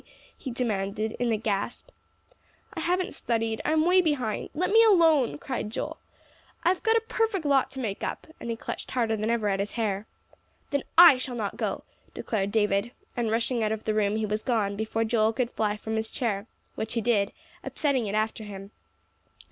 he demanded in a gasp. "I haven't studied; I'm way behind. Let me alone," cried Joel. "I've got a perfect lot to make up," and he clutched harder than ever at his hair. "Then I shall not go," declared David, and rushing out of the room he was gone before Joel could fly from his chair; which he did, upsetting it after him.